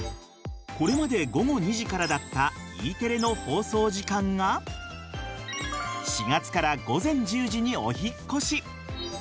これまで午後２時からだったＥテレの放送時間が４月から午前１０時にお引っ越し。